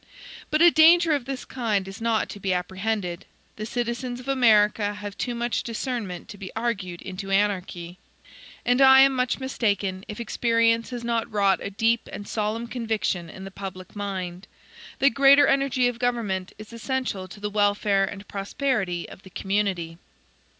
But a danger of this kind is not to be apprehended. The citizens of America have too much discernment to be argued into anarchy. And I am much mistaken, if experience has not wrought a deep and solemn conviction in the public mind, that greater energy of government is essential to the welfare and prosperity of the community.